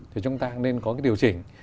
thì chúng ta nên có cái điều chỉnh